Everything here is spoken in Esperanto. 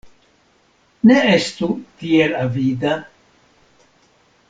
Ne estu tiel avida.